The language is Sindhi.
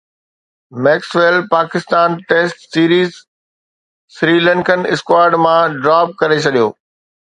ميڪسويل پاڪستان ٽيسٽ سيريز سريلن اسڪواڊ مان ڊراپ ڪري ڇڏيو